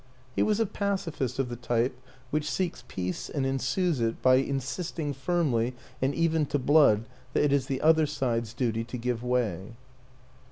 He was a pacifist of the type which seeks peace and ensues it by insisting firmly, and even to blood, that it is the other side's duty to give way.